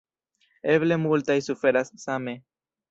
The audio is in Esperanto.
Eble multaj suferas same.